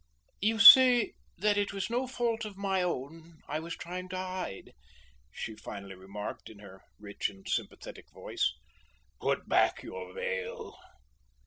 "You see that it was no fault of my own I was trying to hide," she finally remarked in her rich and sympathetic voice. "Put back your veil."